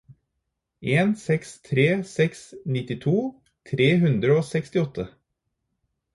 en seks tre seks nittito tre hundre og sekstiåtte